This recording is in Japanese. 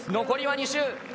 残りは２周。